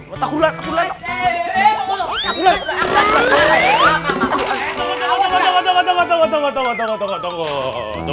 otak bulat otak bulat